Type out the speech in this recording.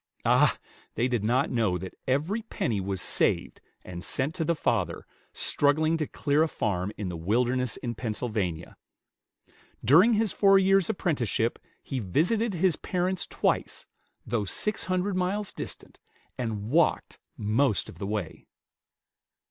Ah! they did not know that every penny was saved and sent to the father, struggling to clear a farm in the wilderness in Pennsylvania. During his four years' apprenticeship he visited his parents twice, though six hundred miles distant, and walked most of the way.